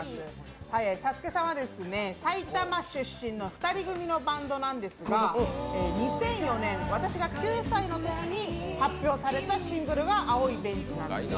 サスケさんは埼玉出身の２人組のバンドなんですが２００４年、私が９歳のときに発表されたシングルが「青いベンチ」なんです。